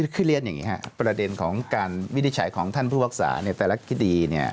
คือเรียนอย่างนี้ครับประเด็นของการวินิจฉัยของท่านผู้รักษาในแต่ละคดี